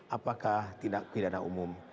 apakah tindak pidana umum